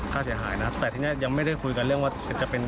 ค่าเสียหายนะครับแต่ทีนี้ยังไม่ได้คุยกันเรื่องว่าจะเป็น